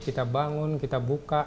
kita bangun kita buka